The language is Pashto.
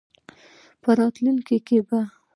په راتلونکې کې به